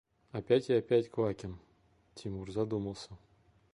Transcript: – Опять и опять Квакин! – Тимур задумался.